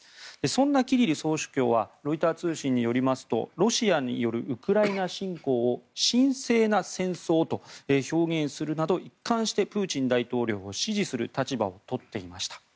そんなキリル総主教はロイター通信によりますとロシアによるウクライナ侵攻を神聖な戦争と表現するなど、一貫してプーチン大統領を支持する立場を取っていました。